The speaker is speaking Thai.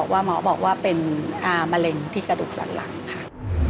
ว่าหมอบอกว่าเป็นมะเร็งที่กระดูกสันหลังค่ะ